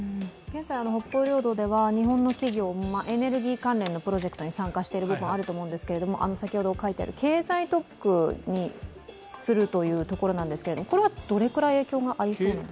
現在、北方領土では日本の企業、エネルギー関連のプロジェクトに参加しているんですけれども、経済特区にするというところなんですけれども、これはどれくらい影響がありそうですか？